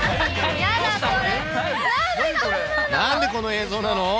なんでこの映像なの？